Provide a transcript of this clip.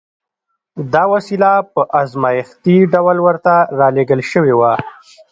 دا وسیله په ازمایښتي ډول ورته را لېږل شوې وه